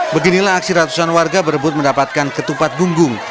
beginilah aksi ratusan warga berebut mendapatkan ketupat bunggung